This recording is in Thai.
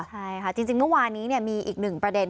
ใช่ค่ะจริงเมื่อวานนี้มีอีกหนึ่งประเด็น